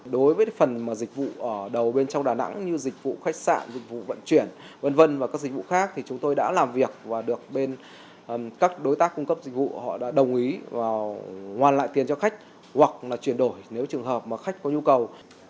đối với phần dịch vụ ở đầu bên trong đà nẵng như dịch vụ khách sạn dịch vụ vận chuyển v v và các dịch vụ khác thì chúng tôi đã làm việc và được các đối tác cung cấp dịch vụ họ đã đồng ý và hoàn lại tiền cho khách hoặc là chuyển đổi nếu trường hợp mà khách có nhu cầu